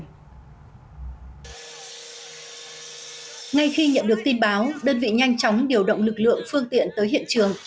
ngay khi nhận được tin báo đơn vị nhanh chóng điều động lực lượng phương tiện tới hiện trường